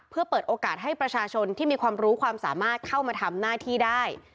เพื่อเปิดโอกาสให้ประชาชนที่มีความรู้ความสามารถเข้ามาทำหน้าที่ได้